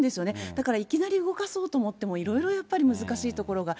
だからいきなり動かそうと思っても、いろいろやっぱり、難しいところが。